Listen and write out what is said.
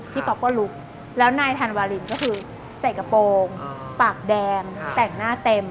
ป๊อปก็ลุกแล้วนายธันวาลินก็คือใส่กระโปรงปากแดงแต่งหน้าเต็ม